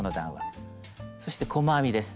そして細編みです。